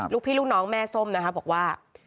พี่ลูกน้องแม่ส้มนะคะบอกว่า